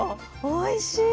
おいしい。